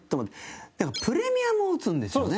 プレミアムも打つんですよね。